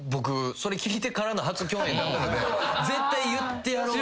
それ聞いてからの初共演だったので絶対言ってやろう。